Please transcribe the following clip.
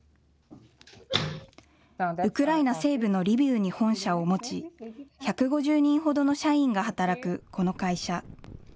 ウクライナ西部のリビウに本社を持ち、１５０人ほどの社員が働くこの会社。